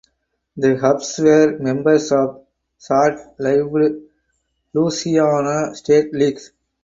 The Hubbs were members of the short–lived Louisiana State League.